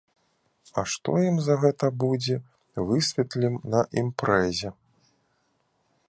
А што ім за гэта будзе, высветлім на імпрэзе!